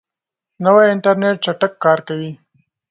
نوی انټرنیټ چټک کار کوي